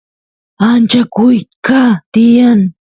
acha kuyqa tiyan